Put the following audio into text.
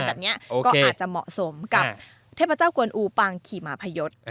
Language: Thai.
แบบนี้ก็อาจจะเหมาะสมกับเทพเจ้ากวนอูปางขี่หมาพยศ